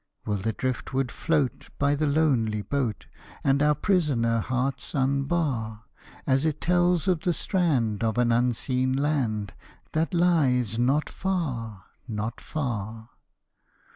Will the driftwood float by the lonely boat And our prisoner hearts unbar, As it tells of the strand of an unseen land That lies not far, not far?